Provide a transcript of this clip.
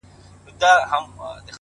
o څوک چي ونو سره شپې کوي ـ